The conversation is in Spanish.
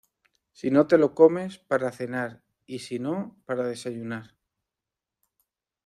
Si no te lo comes, para cenar y si no, para desayunar